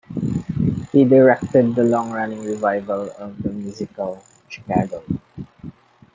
He directed the long-running revival of the musical Chicago.